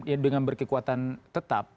yang dengan berkekuatan tetap